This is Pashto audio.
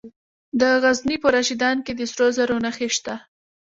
د غزني په رشیدان کې د سرو زرو نښې شته.